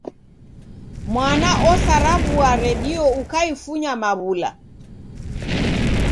Mwana osaraw'ua redio ukaifunya maw'ula!